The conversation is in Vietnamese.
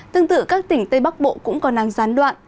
tương tự các tỉnh tây bắc bộ cũng có năng gián đoạn